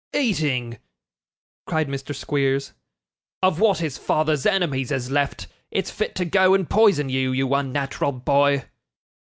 'Eating!' cried Mr. Squeers, 'of what his father's enemies has left! It's fit to go and poison you, you unnat'ral boy.